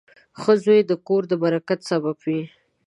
• ښه زوی د کور د برکت سبب وي.